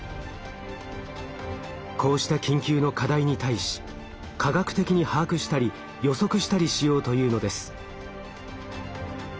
こうした緊急の課題に対し科学的に把握したり予測したりしようというのです。